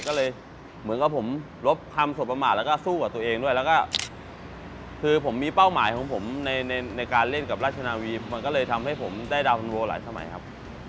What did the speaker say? ก็เลยเหมือนกับผมลบความสมประมาทแล้วก็สู้กับตัวเองด้วยแล้วก็คือผมมีเป้าหมายของผมในในการเล่นกับราชนาวีมันก็เลยทำให้ผมได้ดาวคุณโวหลายสมัยครับ